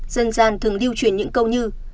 dân gian thường điêu chuyển những câu như